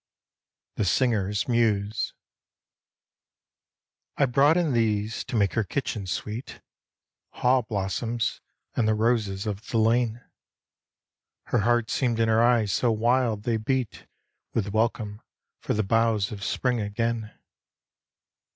53 THE SINGER'S MUSE I BROUGHT in these to make her kitchen sweet, Haw blossoms and the roses of the lane. Her heart seemed in her eyes so wild they beat With welcome for the boughs of Spring again.